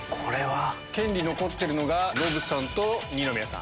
権利残ってるのがノブさんと二宮さん。